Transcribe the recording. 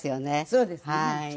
そうですね。